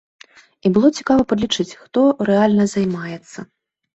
І было цікава падлічыць, хто рэальна займаецца.